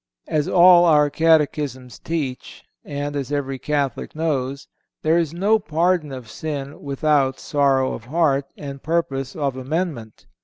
As all our catechisms teach, and as every Catholic knows, there is no pardon of sin without sorrow of heart and purpose of amendment.